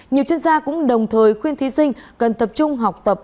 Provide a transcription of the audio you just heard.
nhiều chuyên gia cũng đồng thời khuyên thí sinh cần tập trung học tập